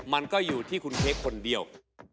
มันก็อยู่ที่คุณเค้กคนเดียว